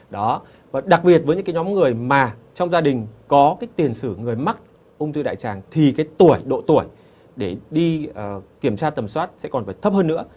đặc biệt với những nhóm người mà trong gia đình có tiền sử người mắc ung thư đại tràng thì độ tuổi để đi kiểm tra tầm soát sẽ còn phải thấp hơn nữa